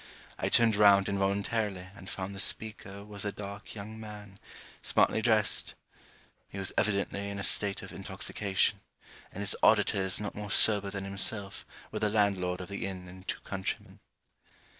I turned round involuntarily and found the speaker was a dark young man, smartly dressed; he was evidently in a state of intoxication, and his auditors not more sober than himself were the landlord of the inn and two countrymen.